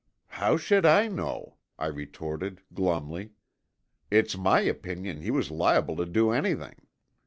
"How should I know?" I retorted glumly. "It's my opinion he was liable to do anything."